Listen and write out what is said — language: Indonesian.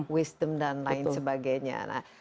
wisdom dan lain sebagainya